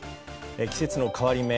季節の変わり目